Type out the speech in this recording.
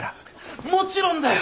もちろんだよ！